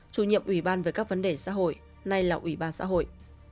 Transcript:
chủ nhiệm ủy ban về các vấn đề xã hội nay là ủy ban xã hội